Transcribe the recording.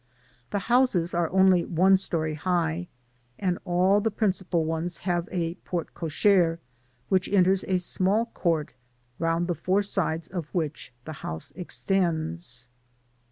The houses are only one story high, and all the principal ones have a porte cochere, which Digitized byGoogk 66 MEfNDbiSA. enters a small court, round the four sides of which the house extends.